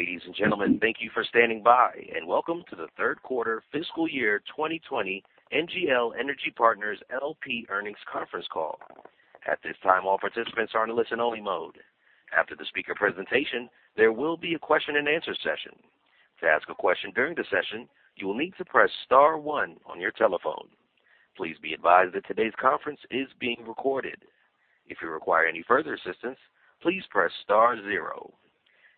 Ladies and gentlemen, thank you for standing by, and welcome to the third quarter fiscal year 2020 NGL Energy Partners LP earnings conference call. At this time, all participants are in listen only mode. After the speaker presentation, there will be a question-and-answer session. To ask a question during the session, you will need to press star one on your telephone. Please be advised that today's conference is being recorded. If you require any further assistance, please press star zero.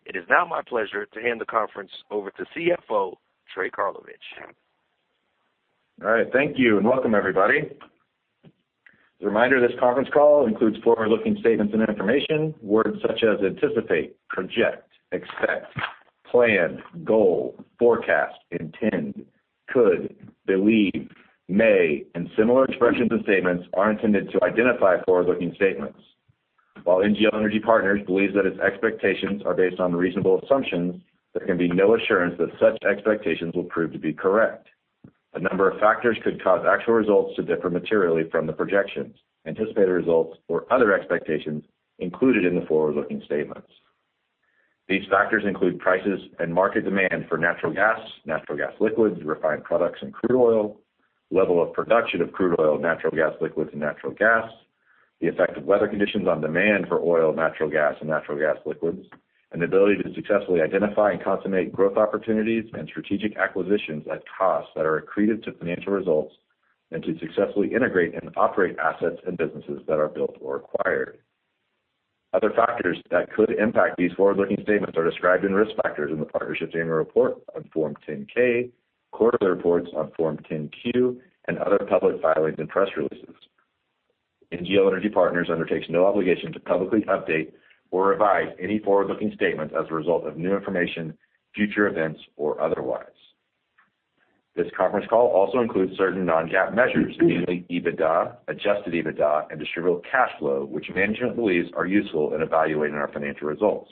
It is now my pleasure to hand the conference over to CFO, Trey Karlovich. All right. Thank you. Welcome everybody. As a reminder, this conference call includes forward-looking statements and information. Words such as anticipate, project, expect, plan, goal, forecast, intend, could, believe, may, and similar expressions and statements are intended to identify forward-looking statements. While NGL Energy Partners believes that its expectations are based on reasonable assumptions, there can be no assurance that such expectations will prove to be correct. A number of factors could cause actual results to differ materially from the projections, anticipated results, or other expectations included in the forward-looking statements. These factors include prices and market demand for natural gas, natural gas liquids, refined products, and crude oil, level of production of crude oil, natural gas liquids, and natural gas. The effect of weather conditions on demand for oil, natural gas, and natural gas liquids, and ability to successfully identify and consummate growth opportunities and strategic acquisitions at costs that are accretive to financial results, and to successfully integrate and operate assets and businesses that are built or acquired. Other factors that could impact these forward-looking statements are described in risk factors in the partnership's Annual Report on Form 10-K, quarterly reports on Form 10-Q, and other public filings and press releases. NGL Energy Partners undertakes no obligation to publicly update or revise any forward-looking statements as a result of new information, future events, or otherwise. This conference call also includes certain non-GAAP measures, namely EBITDA, adjusted EBITDA, and distributable cash flow, which management believes are useful in evaluating our financial results.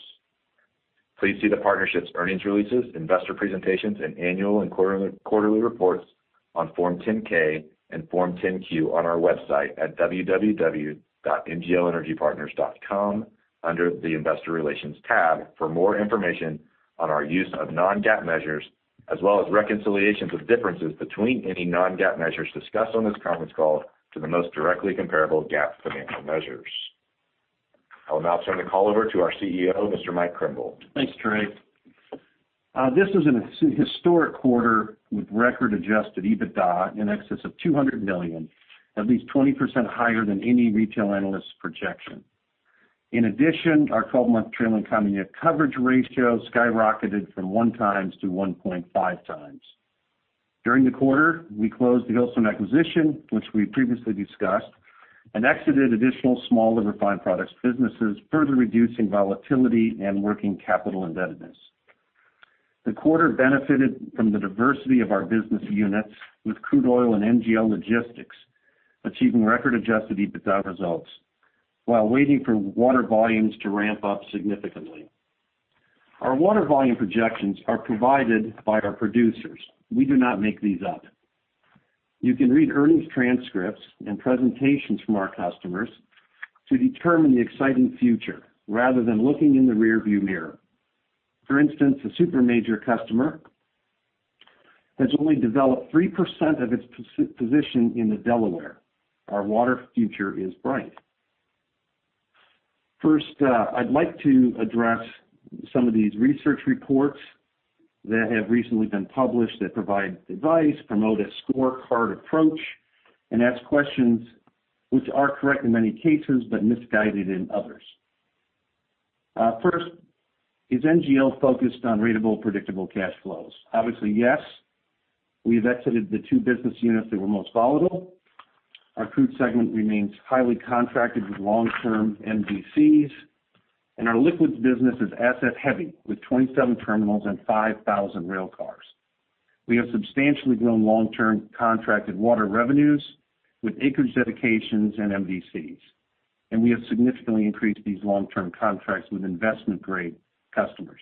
Please see the partnership's earnings releases, investor presentations, and annual and quarterly reports on Form 10-K and Form 10-Q on our website at www.nglenergypartners.com under the Investor Relations tab for more information on our use of non-GAAP measures. As well as reconciliations of differences between any non-GAAP measures discussed on this conference call to the most directly comparable GAAP financial measures. I will now turn the call over to our CEO, Mr. Mike Krimbill. Thanks, Trey. This is an historic quarter with record adjusted EBITDA in excess of $200 million, at least 20% higher than any retail analyst projection. In addition, our 12-month trailing coverage ratio skyrocketed from 1x to 1.5x. During the quarter, we closed the Hillstone acquisition, which we previously discussed, and exited additional smaller Refined Products businesses, further reducing volatility and working capital indebtedness. The quarter benefited from the diversity of our business units with Crude Oil and NGL Logistics achieving record adjusted EBITDA results while waiting for water volumes to ramp up significantly. Our water volume projections are provided by our producers. We do not make these up. You can read earnings transcripts and presentations from our customers to determine the exciting future rather than looking in the rearview mirror. For instance, a super major customer has only developed 3% of its position in the Delaware. Our water future is bright. First, I'd like to address some of these research reports that have recently been published that provide advice, promote a scorecard approach, and ask questions which are correct in many cases, but misguided in others. First, is NGL focused on ratable predictable cash flows? Obviously, yes. We've exited the two business units that were most volatile. Our Crude segment remains highly contracted with long-term MVCs, and our Liquids business is asset heavy with 27 terminals and 5,000 rail cars. We have substantially grown long-term contracted water revenues with acreage dedications and MVCs, and we have significantly increased these long-term contracts with investment-grade customers.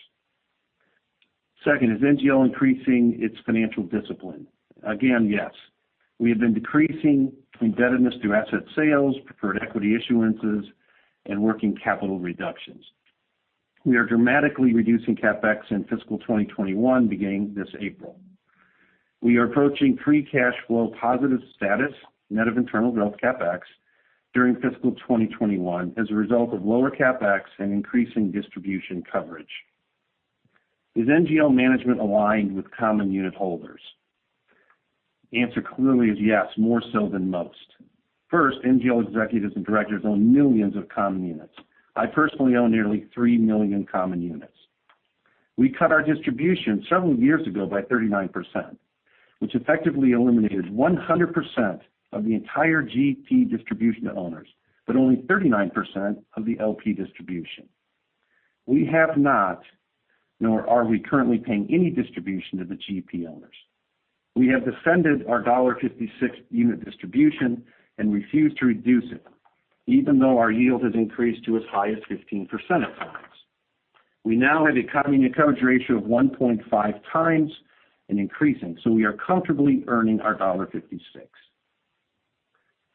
Second, is NGL increasing its financial discipline? Again, yes. We have been decreasing indebtedness through asset sales, preferred equity issuances, and working capital reductions. We are dramatically reducing CapEx in fiscal 2021 beginning this April. We are approaching free cash flow positive status, net of internal growth CapEx, during fiscal 2021 as a result of lower CapEx and increasing distribution coverage. Is NGL management aligned with common unit holders? The answer clearly is yes, more so than most. First, NGL executives and directors own millions of common units. I personally own nearly 3 million common units. We cut our distribution several years ago by 39%, which effectively eliminated 100% of the entire GP distribution to owners, but only 39% of the LP distribution. We have not, nor are we currently paying any distribution to the GP owners. We have defended our $1.56 unit distribution and refuse to reduce it, even though our yield has increased to as high as 15% at times. We now have a coverage ratio of 1.5x and increasing, so we are comfortably earning our $1.56.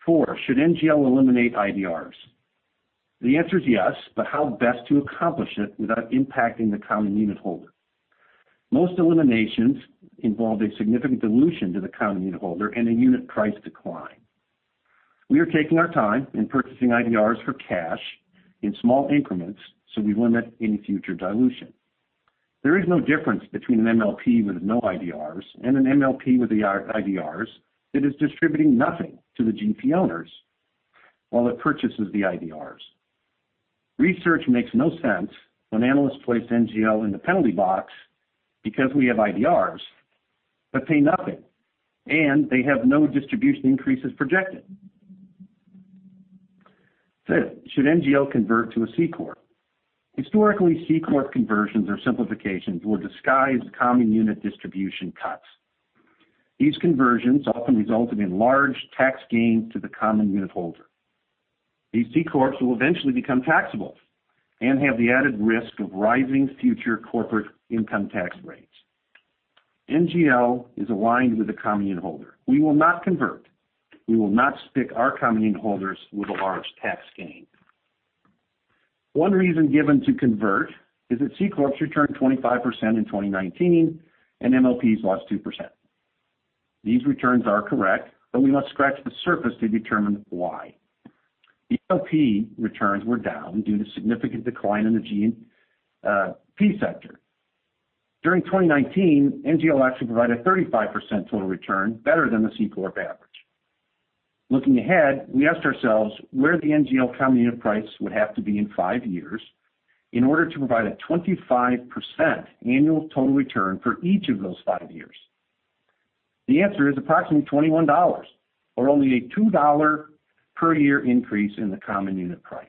Four, Should NGL eliminate IDRs? The answer is yes, but how best to accomplish it without impacting the common unit holder. Most eliminations involve a significant dilution to the common unit holder and a unit price decline. We are taking our time in purchasing IDRs for cash in small increments, so we limit any future dilution. There is no difference between an MLP with no IDRs and an MLP with IDRs that is distributing nothing to the GP owners while it purchases the IDRs. Research makes no sense when analysts place NGL in the penalty box because we have IDRs but pay nothing, and they have no distribution increases projected. Fifth, should NGL convert to a C corp? Historically, C corp conversions or simplifications were disguised common unit distribution cuts. These conversions often resulted in large tax gains to the common unit holder. These C corps will eventually become taxable and have the added risk of rising future corporate income tax rates. NGL is aligned with the common unitholder. We will not convert. We will not stick our common unitholders with a large tax gain. One reason given to convert is that C corps returned 25% in 2019 and MLPs lost 2%. These returns are correct, but we must scratch the surface to determine why. The MLP returns were down due to significant decline in the G&P sector. During 2019, NGL actually provided a 35% total return better than the C corp average. Looking ahead, we asked ourselves where the NGL common unit price would have to be in five years in order to provide a 25% annual total return for each of those five years. The answer is approximately $21 or only a $2 per year increase in the common unit price.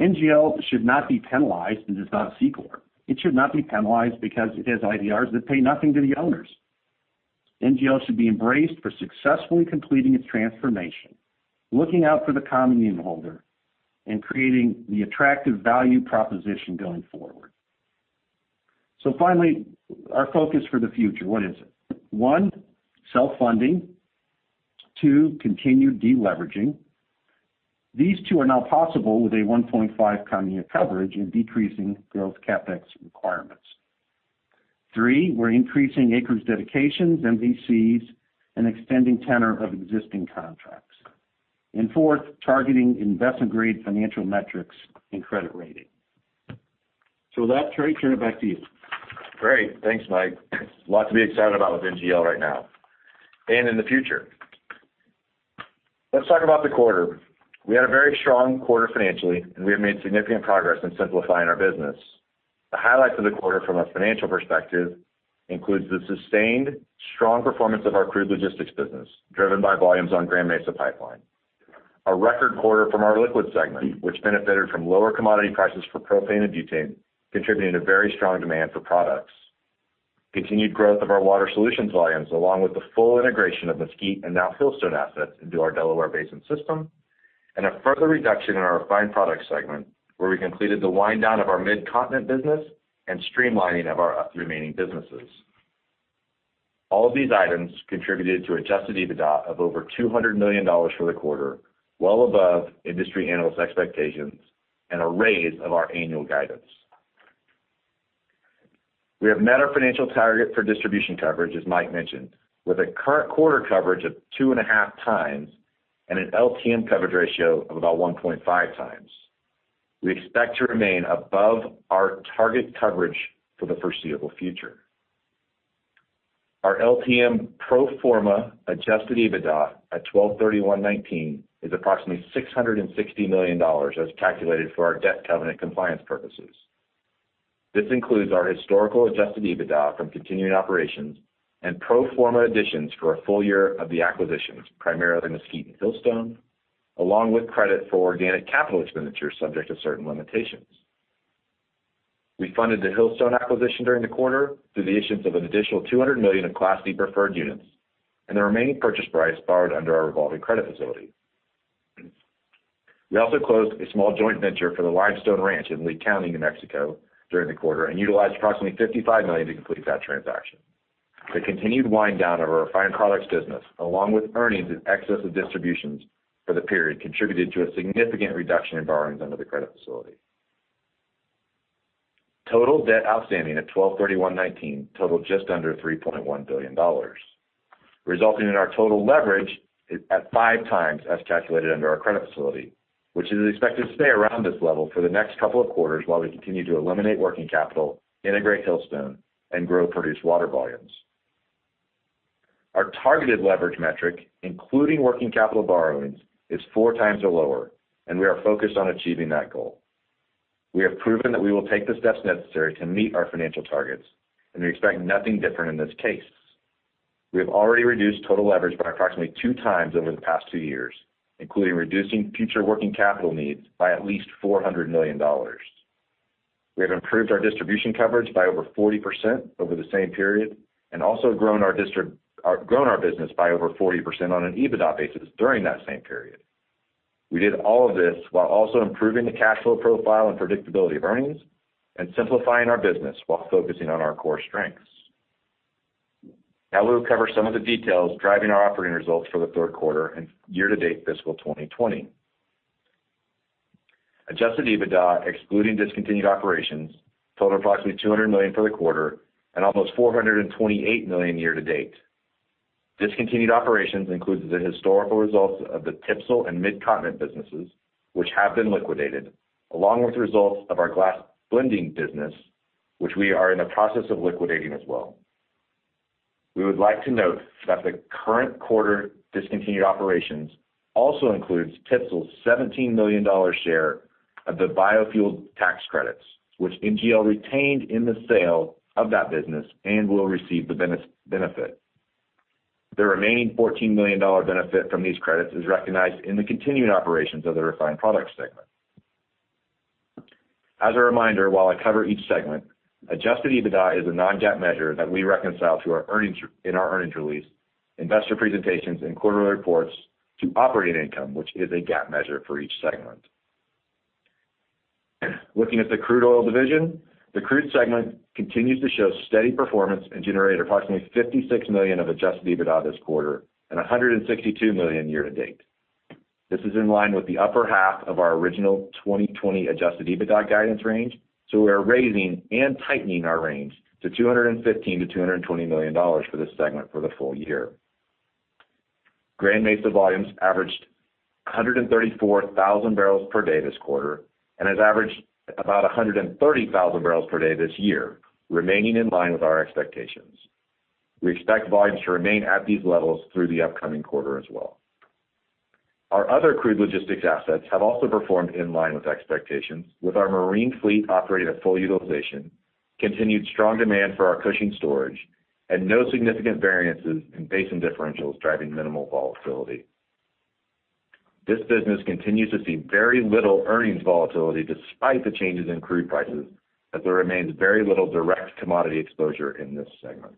NGL should not be penalized because it's not a C corp. It should not be penalized because it has IDRs that pay nothing to the owners. NGL should be embraced for successfully completing its transformation, looking out for the common unitholder, and creating the attractive value proposition going forward. Finally, our focus for the future. What is it? One, self-funding. Two, continued de-leveraging. These two are now possible with a 1.5x common unit coverage and decreasing growth CapEx requirements. Three, we're increasing acreage dedications, MVCs, and extending tenor of existing contracts. Fourth, targeting investment-grade financial metrics and credit rating. With that, Trey, turn it back to you. Great. Thanks, Mike. A lot to be excited about with NGL right now and in the future. Let's talk about the quarter. We had a very strong quarter financially, and we have made significant progress in simplifying our business. The highlights of the quarter from a financial perspective includes the sustained strong performance of our Crude Logistics business, driven by volumes on Grand Mesa Pipeline. A record quarter from our Liquids segment, which benefited from lower commodity prices for propane and butane, contributing to very strong demand for products. Continued growth of our Water Solutions volumes, along with the full integration of Mesquite and now Hillstone assets into our Delaware Basin system. A further reduction in our Refined Products segment, where we completed the wind down of our Mid-Continent business and streamlining of our remaining businesses. All of these items contributed to adjusted EBITDA of over $200 million for the quarter, well above industry analyst expectations and a raise of our annual guidance. We have met our financial target for distribution coverage, as Mike mentioned, with a current quarter coverage of 2.5x and an LTM coverage ratio of about 1.5x. We expect to remain above our target coverage for the foreseeable future. Our LTM pro forma adjusted EBITDA at 12/31/2019 is approximately $660 million as calculated for our debt covenant compliance purposes. This includes our historical adjusted EBITDA from continuing operations and pro forma additions for a full year of the acquisitions, primarily Mesquite and Hillstone, along with credit for organic capital expenditures subject to certain limitations. We funded the Hillstone acquisition during the quarter through the issuance of an additional $200 million of Class D preferred units and the remaining purchase price borrowed under our revolving credit facility. We also closed a small joint venture for the Limestone Ranch in Lea County, New Mexico during the quarter and utilized approximately $55 million to complete that transaction. The continued wind down of our Refined Products business, along with earnings in excess of distributions for the period, contributed to a significant reduction in borrowings under the credit facility. Total debt outstanding at 12/31/2019 totaled just under $3.1 billion, resulting in our total leverage at 5x as calculated under our credit facility, which is expected to stay around this level for the next couple of quarters while we continue to eliminate working capital, integrate Hillstone, and grow produced water volumes. Our targeted leverage metric, including working capital borrowings, is four times or lower. We are focused on achieving that goal. We have proven that we will take the steps necessary to meet our financial targets. We expect nothing different in this case. We have already reduced total leverage by approximately 2x over the past two years, including reducing future working capital needs by at least $400 million. We have improved our distribution coverage by over 40% over the same period and also grown our business by over 40% on an EBITDA basis during that same period. We did all of this while also improving the cash flow profile and predictability of earnings and simplifying our business while focusing on our core strengths. Now we will cover some of the details driving our operating results for the third quarter and year-to-date fiscal 2020. Adjusted EBITDA, excluding discontinued operations, totaled approximately $200 million for the quarter and almost $428 million year-to-date. Discontinued operations includes the historical results of the TPSL and Mid-Continent businesses, which have been liquidated, along with the results of our butane blending business, which we are in the process of liquidating as well. We would like to note that the current quarter discontinued operations also includes TPSL's $17 million share of the biofuel tax credits, which NGL retained in the sale of that business and will receive the benefit. The remaining $14 million benefit from these credits is recognized in the continuing operations of the Refined Products segment. As a reminder, while I cover each segment, adjusted EBITDA is a non-GAAP measure that we reconcile in our earnings release, investor presentations, and quarterly reports to operating income, which is a GAAP measure for each segment. Looking at the crude oil division, the Crude segment continues to show steady performance and generated approximately $156 million of adjusted EBITDA this quarter and $162 million year-to-date. This is in line with the upper half of our original 2020 adjusted EBITDA guidance range, We are raising and tightening our range to $215 million-$220 million for this segment for the full year. Grand Mesa volumes averaged 134,000 bpd this quarter and has averaged about 130,000 bpd this year, remaining in line with our expectations. We expect volumes to remain at these levels through the upcoming quarter as well. Our other Crude Logistics assets have also performed in line with expectations, with our marine fleet operating at full utilization, continued strong demand for our Cushing storage, and no significant variances in basin differentials driving minimal volatility. This business continues to see very little earnings volatility despite the changes in crude prices, as there remains very little direct commodity exposure in this segment.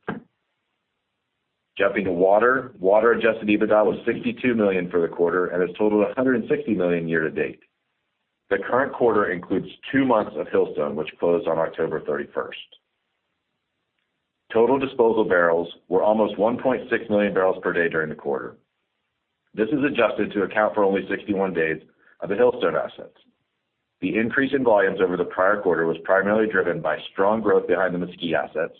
Jumping to water. Water adjusted EBITDA was $62 million for the quarter and has totaled $160 million year-to-date. The current quarter includes two months of Hillstone, which closed on October 31st. Total disposal barrels were almost 1.6 million barrels per day during the quarter. This is adjusted to account for only 61 days of the Hillstone assets. The increase in volumes over the prior quarter was primarily driven by strong growth behind the Mesquite assets,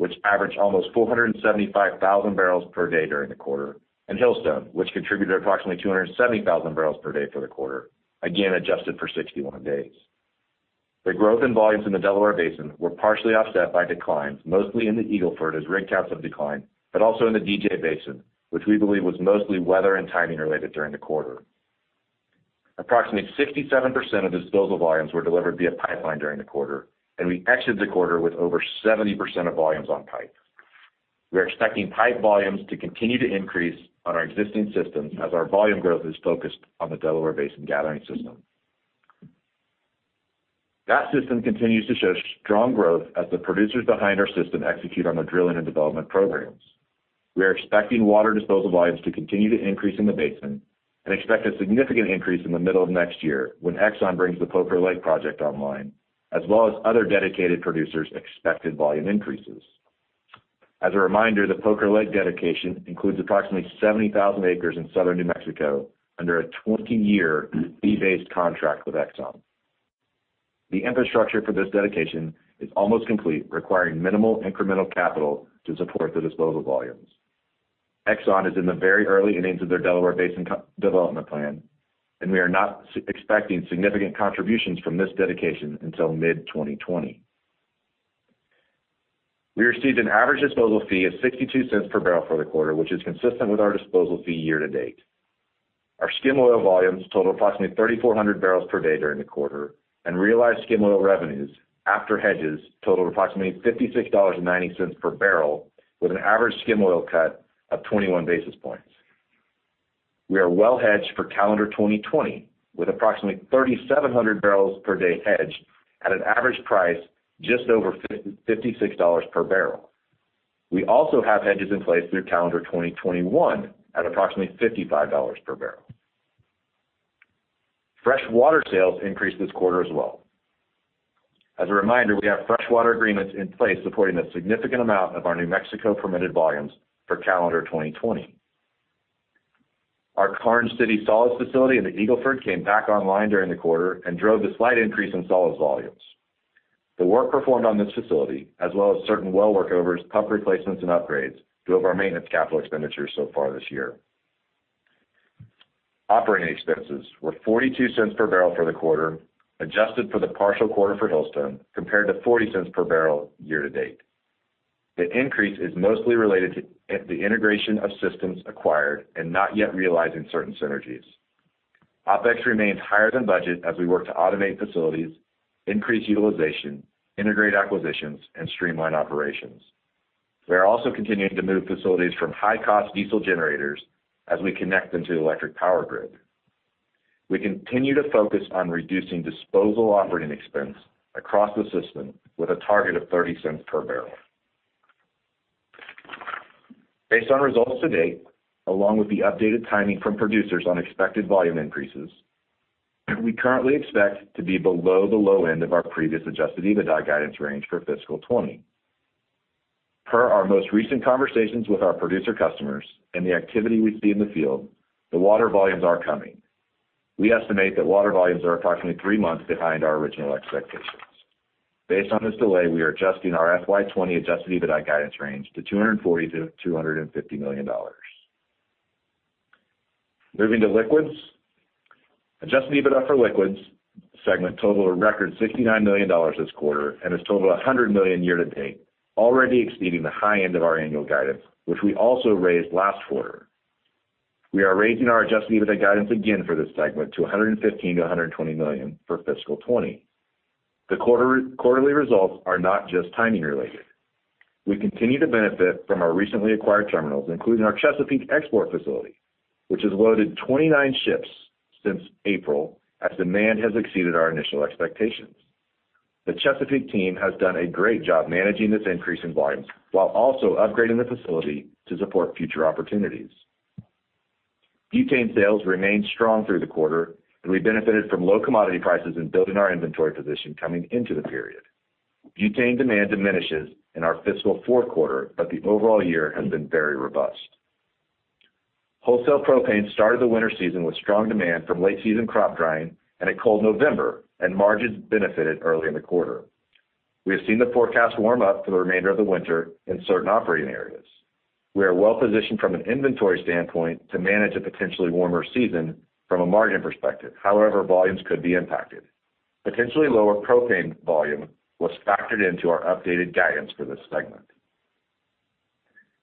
which averaged almost 475,000 bpd during the quarter, and Hillstone, which contributed approximately 270,000 bpd for the quarter, again, adjusted for 61 days. The growth in volumes in the Delaware Basin were partially offset by declines, mostly in the Eagle Ford, as rig counts have declined, but also in the DJ Basin, which we believe was mostly weather and timing related during the quarter. Approximately 67% of disposal volumes were delivered via pipeline during the quarter, and we exited the quarter with over 70% of volumes on pipe. We are expecting pipe volumes to continue to increase on our existing systems as our volume growth is focused on the Delaware Basin Gathering System. That system continues to show strong growth as the producers behind our system execute on their drilling and development programs. We are expecting water disposal volumes to continue to increase in the basin and expect a significant increase in the middle of next year when Exxon brings the Poker Lake project online, as well as other dedicated producers' expected volume increases. As a reminder, the Poker Lake dedication includes approximately 70,000 acres in southern New Mexico under a 20-year fee-based contract with Exxon. The infrastructure for this dedication is almost complete, requiring minimal incremental capital to support the disposal volumes. Exxon is in the very early innings of their Delaware Basin development plan, and we are not expecting significant contributions from this dedication until mid-2020. We received an average disposal fee of $0.62 per barrel for the quarter, which is consistent with our disposal fee year-to-date. Our skim oil volumes totaled approximately 3,400 bpd during the quarter, and realized skim oil revenues after hedges totaled approximately $56.90 per barrel, with an average skim oil cut of 21 basis points. We are well hedged for calendar 2020, with approximately 3,700 bpd hedged at an average price just over $56 per barrel. We also have hedges in place through calendar 2021 at approximately $55 per barrel. Fresh water sales increased this quarter as well. As a reminder, we have fresh water agreements in place supporting a significant amount of our New Mexico permitted volumes for calendar 2020. Our Karnes City solids facility in the Eagle Ford came back online during the quarter and drove a slight increase in solids volumes. The work performed on this facility, as well as certain well workovers, pump replacements, and upgrades, drove our maintenance capital expenditures so far this year. Operating expenses were $0.42 per barrel for the quarter, adjusted for the partial quarter for Hillstone, compared to $0.40 per barrel year-to-date. The increase is mostly related to the integration of systems acquired and not yet realizing certain synergies. OpEx remains higher than budget as we work to automate facilities, increase utilization, integrate acquisitions, and streamline operations. We are also continuing to move facilities from high-cost diesel generators as we connect them to the electric power grid. We continue to focus on reducing disposal operating expense across the system with a target of $0.30 per barrel. Based on results to date, along with the updated timing from producers on expected volume increases, we currently expect to be below the low end of our previous adjusted EBITDA guidance range for fiscal 2020. Per our most recent conversations with our producer customers and the activity we see in the field, the water volumes are coming. We estimate that water volumes are approximately three months behind our original expectations. Based on this delay, we are adjusting our FY 2020 adjusted EBITDA guidance range to $240 million-$250 million. Moving to Liquids, Adjusted EBITDA for Liquids segment totaled a record $69 million this quarter and has totaled $100 million year-to-date, already exceeding the high end of our annual guidance, which we also raised last quarter. We are raising our adjusted EBITDA guidance again for this segment to $115 million-$120 million for fiscal 2020. The quarterly results are not just timing related. We continue to benefit from our recently acquired terminals, including our Chesapeake export facility, which has loaded 29 ships since April as demand has exceeded our initial expectations. The Chesapeake team has done a great job managing this increase in volumes while also upgrading the facility to support future opportunities. Butane sales remained strong through the quarter, and we benefited from low commodity prices and building our inventory position coming into the period. Butane demand diminishes in our fiscal fourth quarter, but the overall year has been very robust. Wholesale propane started the winter season with strong demand from late season crop drying and a cold November, and margins benefited early in the quarter. We have seen the forecast warm up for the remainder of the winter in certain operating areas. We are well-positioned from an inventory standpoint to manage a potentially warmer season from a margin perspective. However, volumes could be impacted. Potentially lower propane volume was factored into our updated guidance for this segment.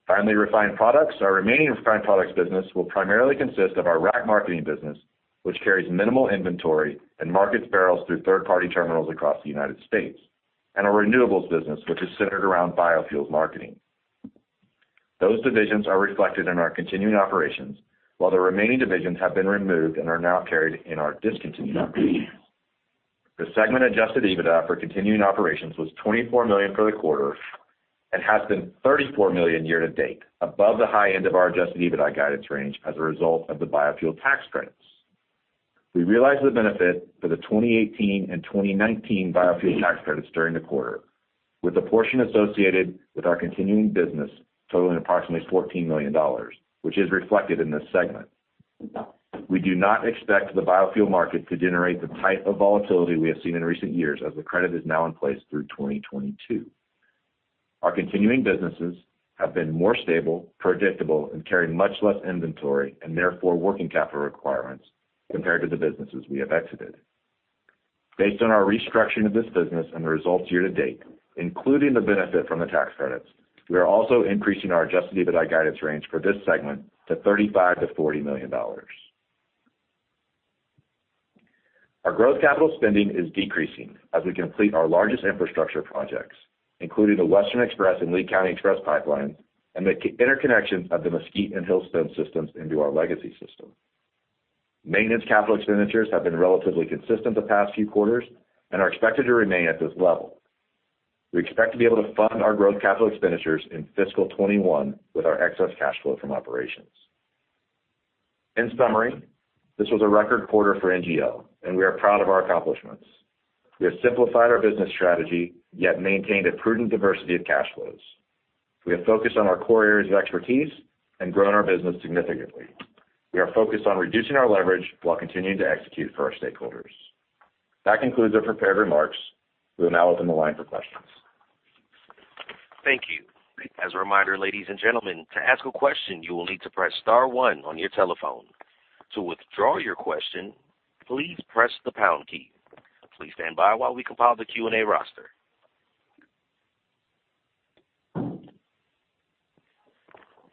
Finally, Refined Products. Our remaining Refined Products business will primarily consist of our rack marketing business, which carries minimal inventory and markets barrels through third-party terminals across the United States, and our renewables business, which is centered around biofuels marketing. Those divisions are reflected in our continuing operations, while the remaining divisions have been removed and are now carried in our discontinued operations. The segment adjusted EBITDA for continuing operations was $24 million for the quarter and has been $34 million year-to-date, above the high end of our adjusted EBITDA guidance range as a result of the biofuel tax credits. We realized the benefit for the 2018 and 2019 biofuel tax credits during the quarter, with a portion associated with our continuing business totaling approximately $14 million, which is reflected in this segment. We do not expect the biofuel market to generate the type of volatility we have seen in recent years as the credit is now in place through 2022. Our continuing businesses have been more stable, predictable and carry much less inventory and therefore working capital requirements compared to the businesses we have exited. Based on our restructuring of this business and the results year-to-date, including the benefit from the tax credits, we are also increasing our adjusted EBITDA guidance range for this segment to $35 million-$40 million. Our growth capital spending is decreasing as we complete our largest infrastructure projects, including the Western Express and Lea County Express pipelines and the interconnection of the Mesquite and Hillstone systems into our legacy system. Maintenance capital expenditures have been relatively consistent the past few quarters and are expected to remain at this level. We expect to be able to fund our growth capital expenditures in fiscal 2021 with our excess cash flow from operations. In summary, this was a record quarter for NGL, and we are proud of our accomplishments. We have simplified our business strategy, yet maintained a prudent diversity of cash flows. We have focused on our core areas of expertise and grown our business significantly. We are focused on reducing our leverage while continuing to execute for our stakeholders. That concludes our prepared remarks. We will now open the line for questions. Thank you. As a reminder, ladies and gentlemen, to ask a question, you will need to press star one on your telephone. To withdraw your question, please press the pound key. Please stand by while we compile the Q&A roster.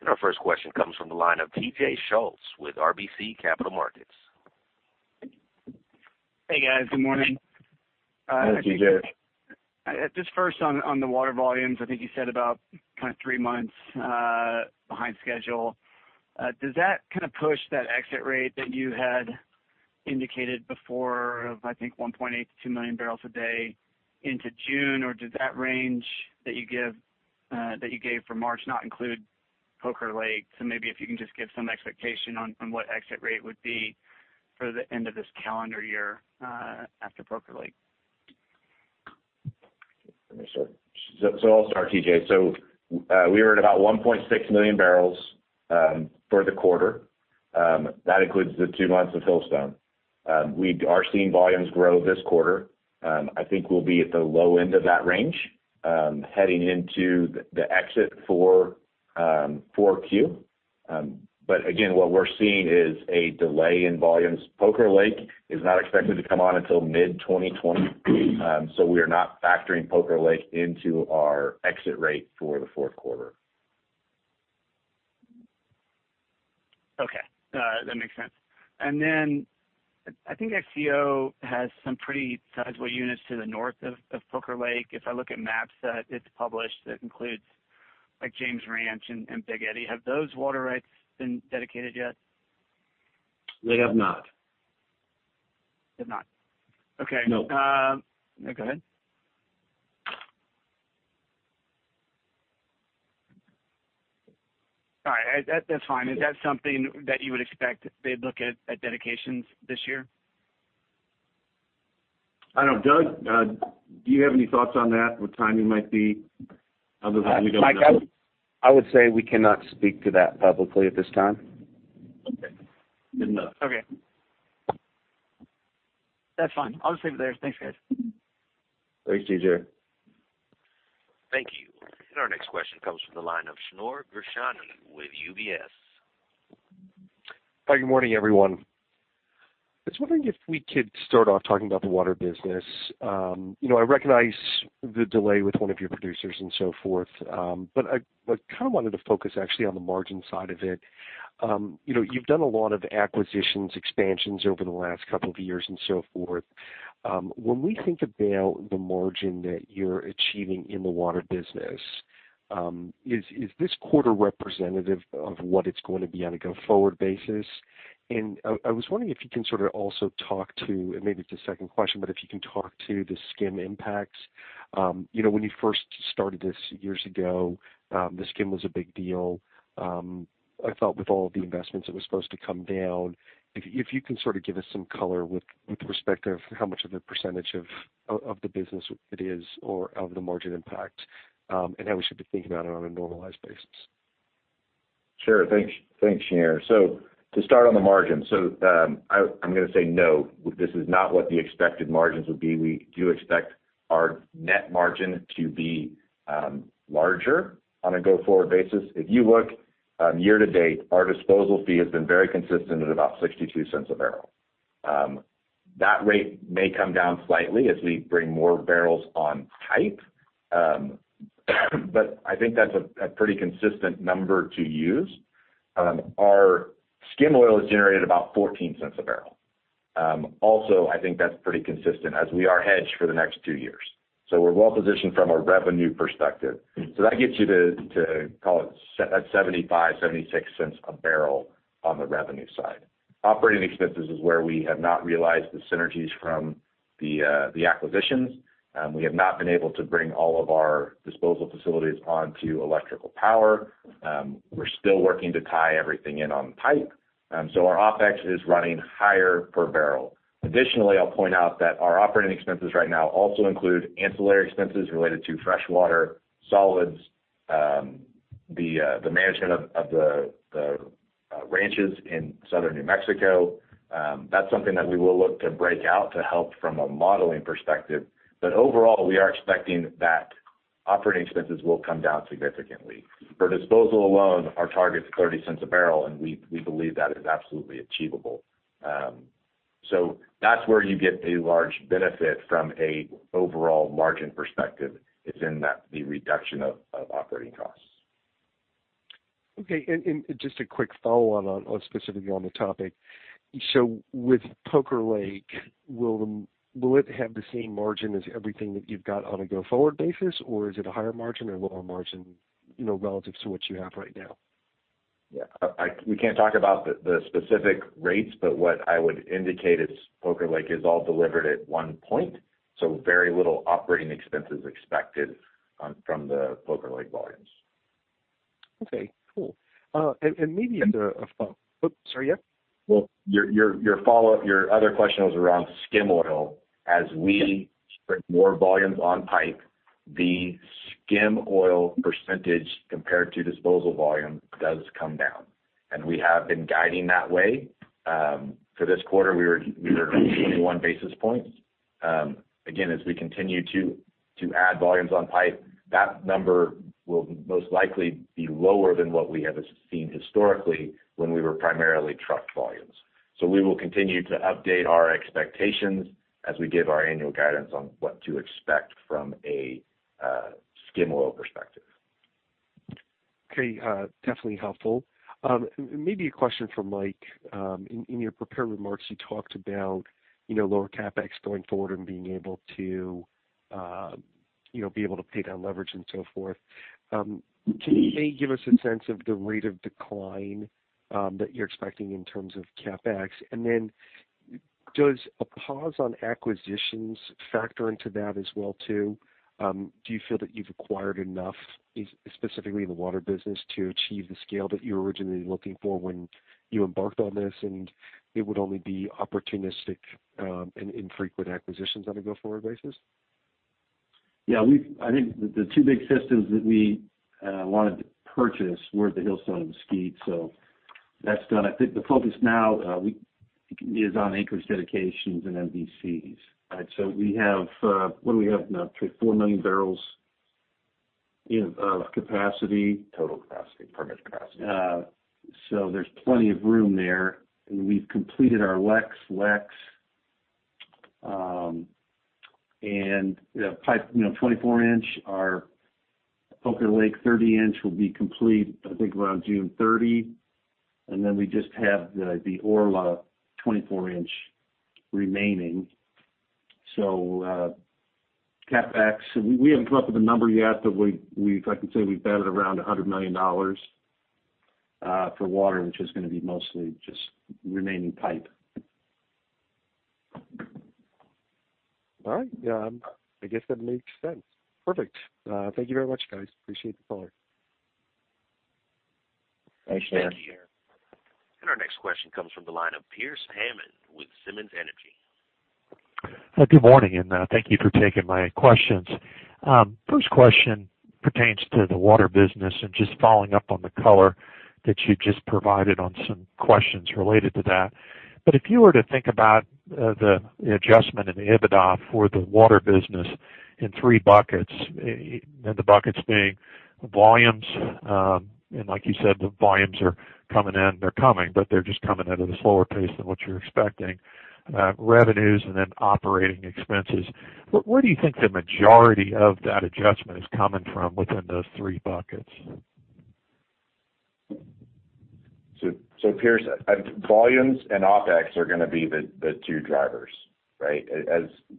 Our first question comes from the line of T.J. Schultz with RBC Capital Markets. Hey, guys. Good morning. Hey, T.J. First on the water volumes, I think you said about three months behind schedule. Does that push that exit rate that you had indicated before of I think 1.8 million-2 million barrels a day into June? Does that range that you gave for March not include Poker Lake? Maybe if you can just give some expectation on what exit rate would be for the end of this calendar year after Poker Lake. I'll start, T.J. We were at about 1.6 million barrels for the quarter. That includes the two months of Hillstone. We are seeing volumes grow this quarter. I think we'll be at the low end of that range, heading into the exit for 4Q. Again, what we're seeing is a delay in volumes. Poker Lake is not expected to come on until mid-2020. We are not factoring Poker Lake into our exit rate for the fourth quarter. Okay. That makes sense. I think XTO has some pretty sizable units to the north of Poker Lake. If I look at maps that it's published, that includes James Ranch and Big Eddy. Have those water rights been dedicated yet? They have not. They have not, okay. No. No, go ahead. All right. That's fine. Is that something that you would expect they'd look at dedications this year? I don't know. Doug, do you have any thoughts on that, what timing might be? Other than we don't know. Mike, I would say we cannot speak to that publicly at this time. Okay. That's fine. I'll just leave it there. Thanks, guys. Thanks, T.J. Thank you. Our next question comes from the line of Shneur Gershuni with UBS. Hi, good morning, everyone. I was wondering if we could start off talking about the water business. I recognize the delay with one of your producers and so forth. I kind of wanted to focus actually on the margin side of it. You've done a lot of acquisitions, expansions over the last couple of years and so forth. When we think about the margin that you're achieving in the water business, is this quarter representative of what it's going to be on a go-forward basis? I was wondering if you can sort of also talk to, and maybe it's a second question, but if you can talk to the skim impacts. When you first started this years ago, the skim was a big deal. I thought with all the investments it was supposed to come down. If you can sort of give us some color with perspective, how much of a percentage of the business it is, or of the margin impact, and how we should be thinking about it on a normalized basis. Sure. Thanks, Shneur. To start on the margin. I'm going to say no, this is not what the expected margins would be. We do expect our net margin to be larger on a go-forward basis. If you look year-to-date, our disposal fee has been very consistent at about $0.62 a barrel. That rate may come down slightly as we bring more barrels on pipe, but I think that's a pretty consistent number to use. Our skim oil has generated about $0.14 a barrel. Also, I think that's pretty consistent as we are hedged for the next two years. We're well-positioned from a revenue perspective. That gets you to call it at $0.75-$0.76 a barrel on the revenue side. Operating expenses is where we have not realized the synergies from the acquisitions. We have not been able to bring all of our disposal facilities onto electrical power. We're still working to tie everything in on pipe. Our OpEx is running higher per barrel. Additionally, I'll point out that our operating expenses right now also include ancillary expenses related to freshwater solids, the management of the ranches in southern New Mexico. That's something that we will look to break out to help from a modeling perspective. Overall, we are expecting that operating expenses will come down significantly. For disposal alone, our target's $0.30 a barrel, and we believe that is absolutely achievable. That's where you get a large benefit from an overall margin perspective is in the reduction of operating costs. Just a quick follow-on specifically on the topic. With Poker Lake, will it have the same margin as everything that you've got on a go-forward basis, or is it a higher margin or lower margin relative to what you have right now? Yeah. We can't talk about the specific rates, but what I would indicate is Poker Lake is all delivered at one point, so very little operating expense is expected from the Poker Lake volumes. Okay, cool. Sorry, yeah? Your follow-up, your other question was around skim oil. As we bring more volumes on pipe, the skim oil percentage compared to disposal volume does come down, and we have been guiding that way. For this quarter, we were at 21 basis points. Again, as we continue to add volumes on pipe, that number will most likely be lower than what we have seen historically when we were primarily trucked volumes. We will continue to update our expectations as we give our annual guidance on what to expect from a skim oil perspective. Okay. Definitely helpful. Maybe a question for Mike. In your prepared remarks, you talked about lower CapEx going forward and being able to pay down leverage and so forth. Can you maybe give us a sense of the rate of decline that you're expecting in terms of CapEx, and then does a pause on acquisitions factor into that as well too? Do you feel that you've acquired enough, specifically in the water business, to achieve the scale that you were originally looking for when you embarked on this, and it would only be opportunistic and infrequent acquisitions on a go-forward basis? Yeah. I think the two big systems that we wanted to purchase were the Hillstone and the Mesquite, that's done. I think the focus now is on acreage dedications and MVCs. We have, what do we have now? 3, 4 million barrels of capacity. Total capacity. Permit capacity. There's plenty of room there. We've completed our LEX, and pipe 24 in. Our Poker Lake 30 in will be complete, I think, around June 30. Then we just have the Orla 24 in remaining. CapEx, we haven't come up with a number yet, but if I can say, we've batted around $100 million for water, which is going to be mostly just remaining pipe. I guess that makes sense. Perfect. Thank you very much, guys. Appreciate the color. Thanks, Shneur. Our next question comes from the line of Pearce Hammond with Simmons Energy. Good morning, and thank you for taking my questions. First question pertains to the water business and just following up on the color that you just provided on some questions related to that. If you were to think about the adjustment in the EBITDA for the Water business in three buckets, and the buckets being volumes, and like you said, the volumes are coming in. They're coming, but they're just coming at a slower pace than what you're expecting. Revenues and then operating expenses. Where do you think the majority of that adjustment is coming from within those three buckets? Pearce, volumes and OpEx are going to be the two drivers, right?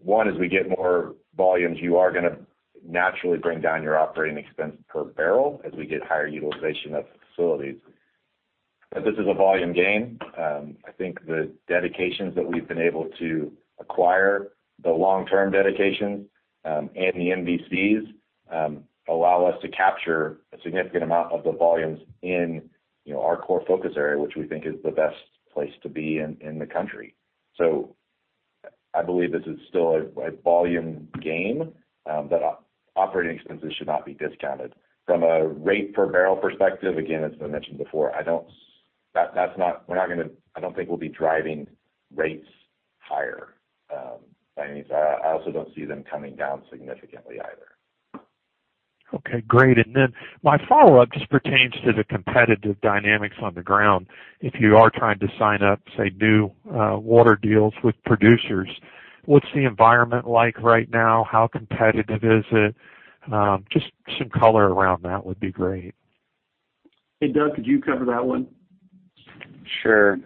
One is we get more volumes, you are going to naturally bring down your operating expense per barrel as we get higher utilization of the facilities. This is a volume game. I think the dedications that we've been able to acquire, the long-term dedications, and the MVCs, allow us to capture a significant amount of the volumes in our core focus area, which we think is the best place to be in the country. I believe this is still a volume game, but operating expenses should not be discounted. From a rate per barrel perspective, again, as I mentioned before, I don't think we'll be driving rates higher. I also don't see them coming down significantly either. Okay, great. My follow-up just pertains to the competitive dynamics on the ground. If you are trying to sign up, say, new water deals with producers, what's the environment like right now? How competitive is it? Just some color around that would be great. Hey, Doug, could you cover that one? Sure.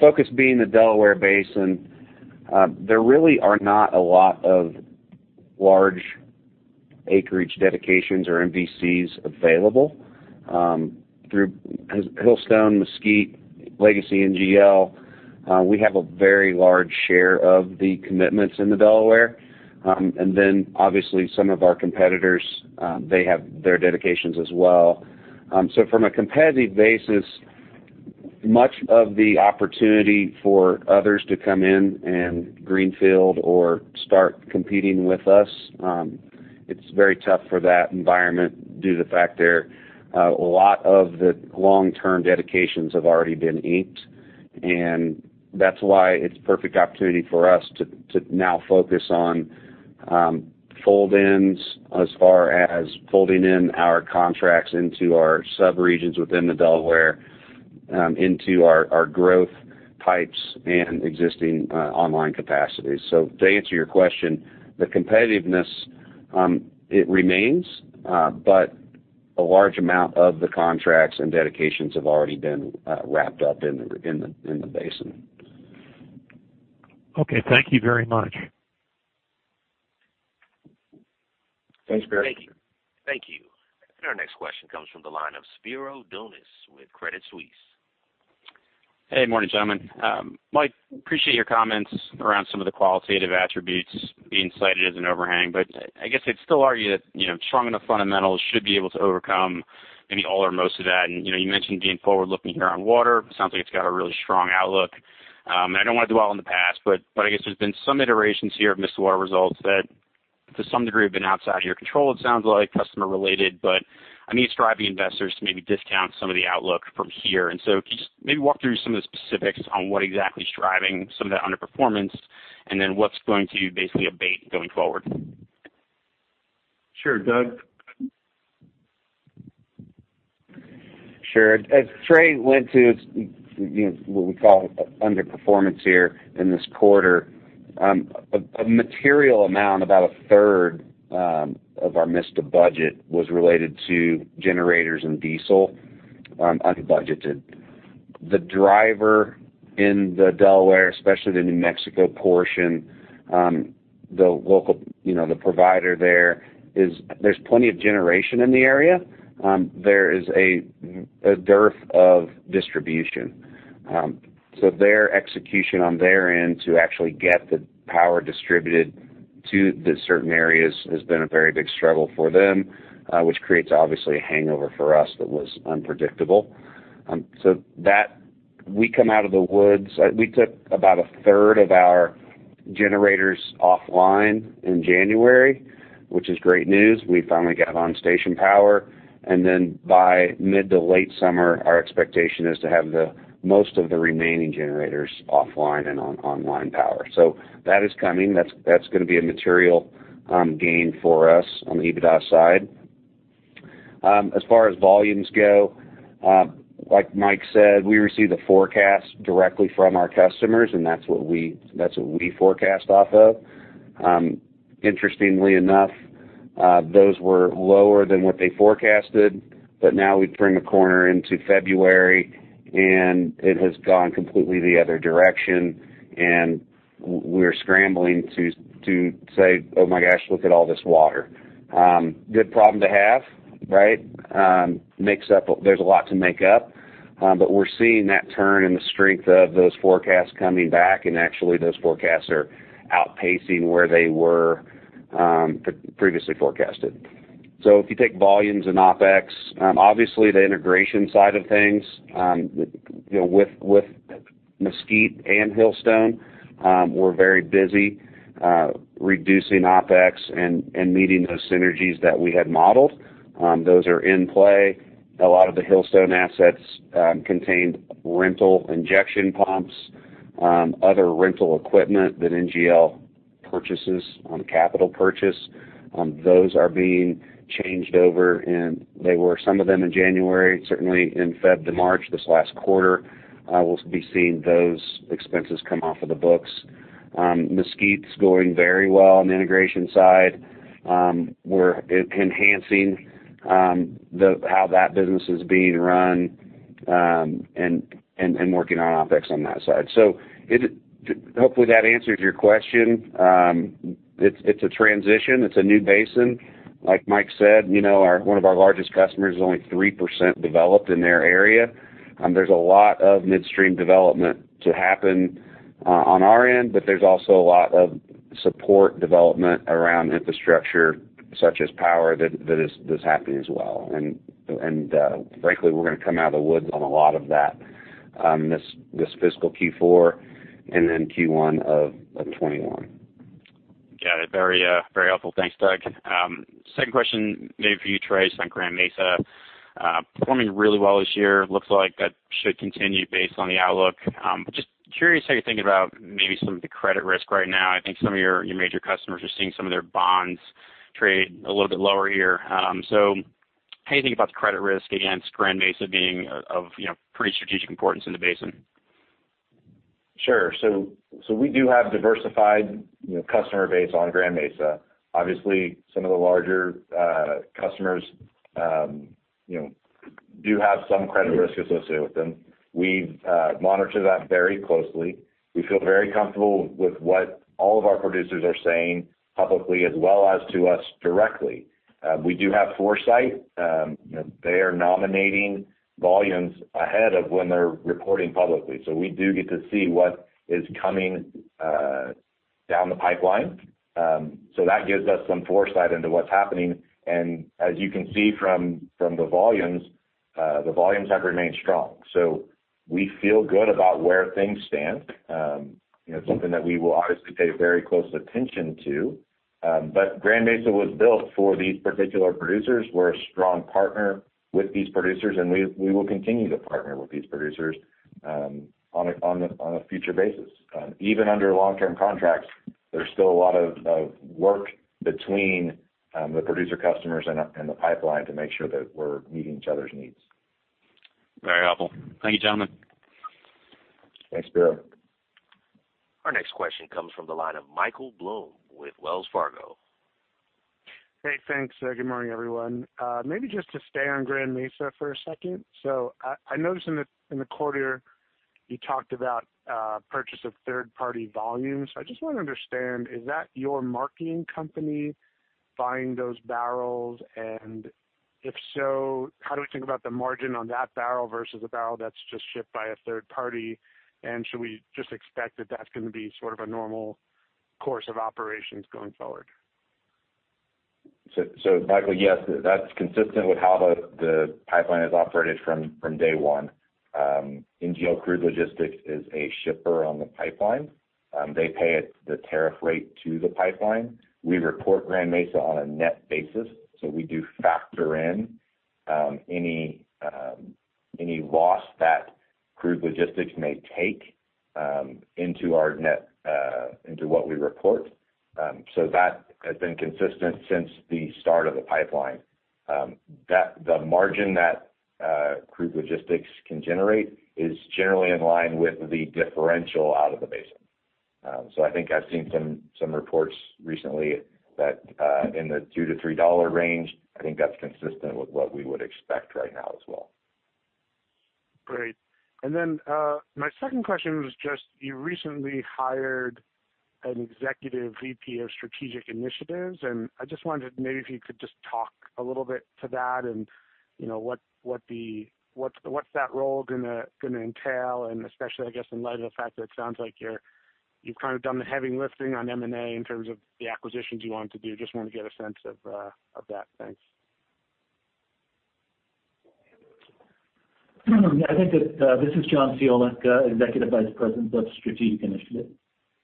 Focus being the Delaware Basin, there really are not a lot of large acreage dedications or MVCs available. Through Hillstone, Mesquite, Legacy NGL, we have a very large share of the commitments in the Delaware. Obviously some of our competitors, they have their dedications as well. From a competitive basis, much of the opportunity for others to come in and greenfield or start competing with us, it's very tough for that environment due to the fact there a lot of the long-term dedications have already been inked. That's why it's perfect opportunity for us to now focus on fold-ins as far as folding in our contracts into our sub-regions within the Delaware, into our growth types and existing online capacity. To answer your question, the competitiveness, it remains, but a large amount of the contracts and acreage dedications have already been wrapped up in the basin. Okay. Thank you very much. Thanks, Pearce. Thank you. Our next question comes from the line of Spiro Dounis with Credit Suisse. Hey, good morning, gentlemen. Mike, appreciate your comments around some of the qualitative attributes being cited as an overhang, I guess I'd still argue that strong enough fundamentals should be able to overcome maybe all or most of that. You mentioned being forward-looking here on water. It sounds like it's got a really strong outlook. I don't want to dwell on the past, I guess there's been some iterations here of missed water results that to some degree have been outside of your control, it sounds like customer related. I mean, it's driving investors to maybe discount some of the outlook from here. Can you just maybe walk through some of the specifics on what exactly is driving some of that underperformance, and then what's going to basically abate going forward? Sure. Doug? Sure. As Trey went to what we call underperformance here in this quarter, a material amount, about a third of our missed budget was related to generators and diesel, unbudgeted. The driver in the Delaware, especially the New Mexico portion, the provider there there's plenty of generation in the area. There is a dearth of distribution. Their execution on their end to actually get the power distributed to the certain areas has been a very big struggle for them, which creates obviously a hangover for us that was unpredictable. That we come out of the woods. We took about a third of our generators offline in January, which is great news. We finally got on station power. By mid to late summer, our expectation is to have most of the remaining generators offline and on online power. That is coming. That's going to be a material gain for us on the EBITDA side. As far as volumes go, like Mike said, we receive the forecast directly from our customers, and that's what we forecast off of. Interestingly enough, those were lower than what they forecasted. Now we turn the corner into February, and it has gone completely the other direction, and we're scrambling to say, "Oh my gosh, look at all this water." Good problem to have. There's a lot to make up. We're seeing that turn and the strength of those forecasts coming back, and actually those forecasts are outpacing where they were previously forecasted. If you take volumes and OpEx, obviously the integration side of things with Mesquite and Hillstone, we're very busy reducing OpEx and meeting those synergies that we had modeled. Those are in play. A lot of the Hillstone assets contained rental injection pumps, other rental equipment that NGL purchases on capital purchase. Those are being changed over, and they were some of them in January, certainly in February to March, this last quarter, we'll be seeing those expenses come off of the books. Mesquite's going very well on the integration side. We're enhancing how that business is being run, and working on OpEx on that side. Hopefully that answers your question. It's a transition. It's a new basin. Like Mike said, one of our largest customers is only 3% developed in their area. There's a lot of midstream development to happen on our end, but there's also a lot of support development around infrastructure, such as power, that is happening as well. Frankly, we're going to come out of the woods on a lot of that this fiscal Q4 and then Q1 of 2021. Got it. Very helpful. Thanks, Doug. Second question, maybe for you, Trey, on Grand Mesa. Performing really well this year, looks like that should continue based on the outlook. Just curious how you're thinking about maybe some of the credit risk right now. I think some of your major customers are seeing some of their bonds trade a little bit lower here. How do you think about the credit risk against Grand Mesa being of pretty strategic importance in the basin? Sure. We do have diversified customer base on Grand Mesa. Obviously, some of the larger customers do have some credit risk associated with them. We monitor that very closely. We feel very comfortable with what all of our producers are saying publicly as well as to us directly. We do have foresight. They are nominating volumes ahead of when they're reporting publicly, so we do get to see what is coming down the pipeline. That gives us some foresight into what's happening. As you can see from the volumes, the volumes have remained strong. We feel good about where things stand. It's something that we will obviously pay very close attention to. Grand Mesa was built for these particular producers. We're a strong partner with these producers, and we will continue to partner with these producers on a future basis. Even under long-term contracts, there's still a lot of work between the producer customers and the pipeline to make sure that we're meeting each other's needs. Very helpful. Thank you, gentlemen. Thanks, Spiro. Our next question comes from the line of Michael Blum with Wells Fargo. Hey, thanks. Good morning, everyone. Maybe just to stay on Grand Mesa for a second. I noticed in the quarter you talked about purchase of third-party volumes. I just want to understand, is that your marketing company buying those barrels? If so, how do we think about the margin on that barrel versus a barrel that's just shipped by a third party? Should we just expect that that's going to be sort of a normal course of operations going forward? Michael, yes, that's consistent with how the pipeline has operated from day one. NGL Crude Logistics is a shipper on the pipeline. They pay the tariff rate to the pipeline. We report Grand Mesa on a net basis, so we do factor in any loss that Crude Logistics may take into what we report. That has been consistent since the start of the pipeline. The margin that Crude Logistics can generate is generally in line with the differential out of the basin. I think I've seen some reports recently that in the $2-$3 range, I think that's consistent with what we would expect right now as well. Great. My second question was just you recently hired an Executive Vice President of Strategic Initiatives, and I just wondered if maybe if you could just talk a little bit to that and what's that role going to entail, and especially, I guess in light of the fact that it sounds like you've kind of done the heavy lifting on M&A in terms of the acquisitions you want to do. Just want to get a sense of that. Thanks. This is John Ciolek, Executive Vice President of Strategic Initiatives.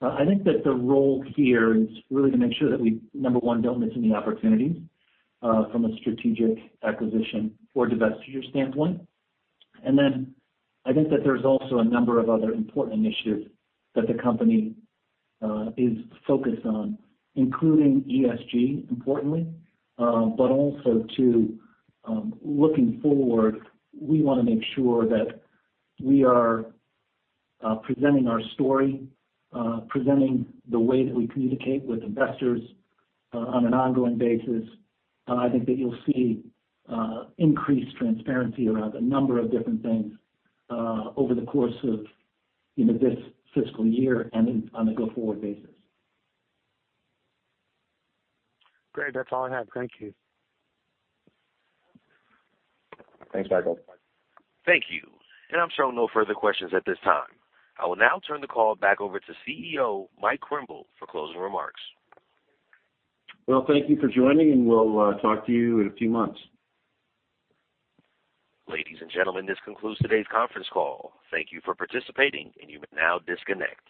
I think that the role here is really to make sure that we, number one, don't miss any opportunities from a strategic acquisition or divestiture standpoint. I think that there's also a number of other important initiatives that the company is focused on, including ESG, importantly. Also too looking forward, we want to make sure that we are presenting our story, presenting the way that we communicate with investors on an ongoing basis. I think that you'll see increased transparency around a number of different things over the course of this fiscal year and on a go-forward basis. Great. That's all I have. Thank you. Thanks, Michael. Thank you. I'm showing no further questions at this time. I will now turn the call back over to CEO Mike Krimbill for closing remarks. Thank you for joining, and we'll talk to you in a few months. Ladies and gentlemen, this concludes today's conference call. Thank you for participating, and you may now disconnect.